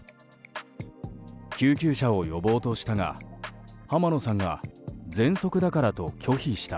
救急車を呼ぼうとしたが浜野さんがぜんそくだからと拒否した。